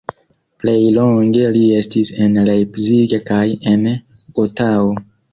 Plej longe li estis en Leipzig kaj en Gotao.